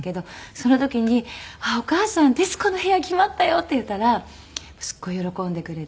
その時に「お母さん『徹子の部屋』決まったよ」って言ったらすごい喜んでくれて。